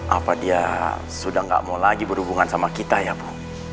apa dia sudah gak mau lagi berhubungan sama kita ya pak